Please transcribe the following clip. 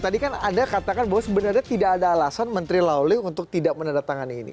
tadi kan anda katakan bahwa sebenarnya tidak ada alasan menteri lawling untuk tidak menandatangani ini